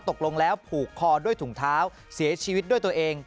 ตกลงแล้วผูกคอด้วยถุงเท้าเสียชีวิตด้วยตัวเอง